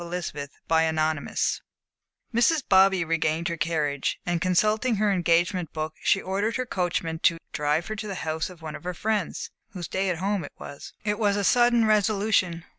Chapter XXXI Mrs. Bobby regained her carriage, and consulting her engagement book, she ordered her coachman to drive her to the house of one of her friends, whose "day at home" it was. It was a sudden resolution.